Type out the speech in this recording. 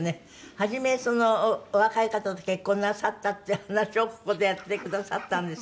初めお若い方と結婚なさったっていう話をここでやってくださったんですけど。